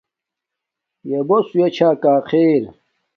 یݳ بݸس ہݸیݳ چھݳ کݳ خݵر.